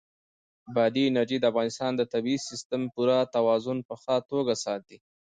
بادي انرژي د افغانستان د طبعي سیسټم پوره توازن په ښه توګه ساتي.